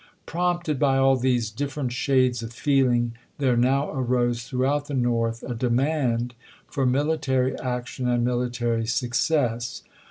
Prompted by all these different shades of feeling there now arose throughout the North a demand for military action and military success.